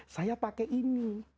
saya pakai ini